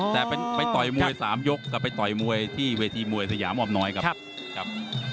แต่ไปต่อยมวย๓ยกแต่ไปต่อยมวยที่เวทีมวยสยามออมน้อยครับ